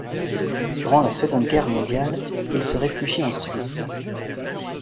Durant la Seconde Guerre Mondiale, il se réfugie en Suisse.